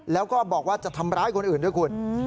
แล้วก็บอกว่าจะทำร้ายคนอื่นด้วยคุณ